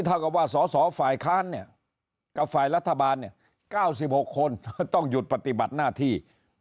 เท่ากับว่าสสฝ่ายค้านเนี่ยกับฝ่ายรัฐบาล๙๖คนต้องหยุดปฏิบัติหน้าที่